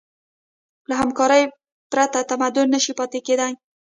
له همکارۍ پرته تمدن نهشي پاتې کېدی.